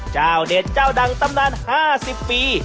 เจ้าเด็ดเจ้าดังตำนาน๕๐ปี